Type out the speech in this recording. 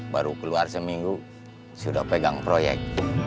baru keluar seminggu sudah pegang proyek